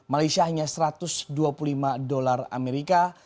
malaysia hanya satu ratus dua puluh lima dolar amerika